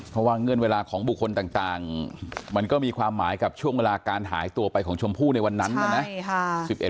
เพราะว่าเงื่อนเวลาของบุคคลต่างมันก็มีความหมายกับช่วงเวลาการหายตัวไปของชมพู่ในวันนั้นนะ